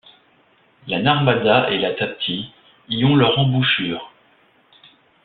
La Narmadâ et la Tâptî y ont leur embouchure.